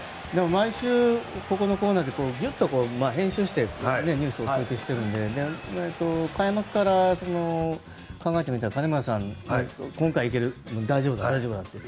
毎週、このコーナーでぎゅっと編集してニュースをお届けしているので開幕から考えてみたら金村さん、今回はいける大丈夫だって。